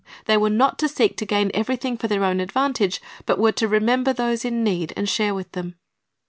They were not to seek to gain everything for their own advantage, but were to remember those in need, and share w'ith them.